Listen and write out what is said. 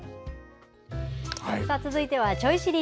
続いてはちょい知り！